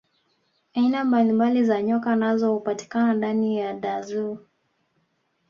aina mbalimbali za nyoka nazo hupatikana ndani ya dar zoo